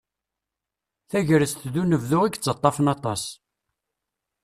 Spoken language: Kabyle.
Tagrest d unebdu i yettaṭṭafen aṭas.